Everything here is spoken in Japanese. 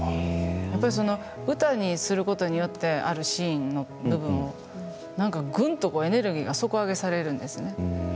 やっぱり、その歌にすることによってあるシーンの部分をなんかぐんとエネルギーが底上げされるんですね。